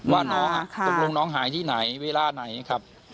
ว่าน้องตกลงน้องหายที่ไหนเวลาไหนครับ